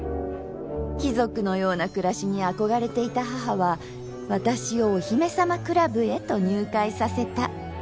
貴族のような暮らしに憧れていた母は私をお姫様クラブへと入会させた